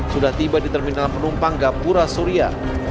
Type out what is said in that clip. sudah tiba di terminal penumpang gapura surya